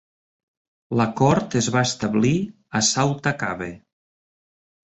La cort es va establir a Sauta Cave.